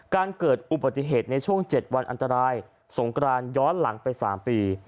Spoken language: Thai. เกิดอุบัติเหตุในช่วง๗วันอันตรายสงกรานย้อนหลังไป๓ปี